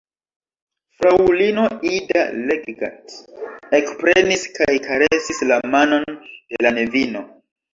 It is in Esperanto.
Fraŭlino Ida Leggat ekprenis kaj karesis la manon de la nevino.